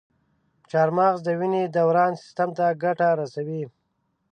چارمغز د وینې دوران سیستم ته ګټه رسوي.